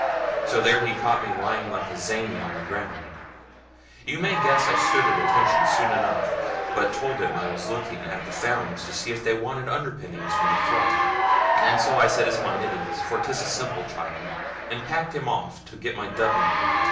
So there he caught me lying like a zany on the ground. You may guess I stood at attention soon enough, but told him I was looking at the founds to see if they wanted underpinning from the floods. And so I set his mind at ease, for 'tis a simple child, and packed him off to get my dubbing hammer.